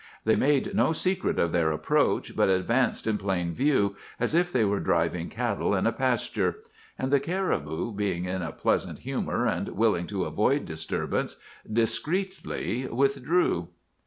They made no secret of their approach, but advanced in plain view, as if they were driving cattle in a pasture. And the caribou, being in a pleasant humor and willing to avoid disturbance, discreetly withdrew.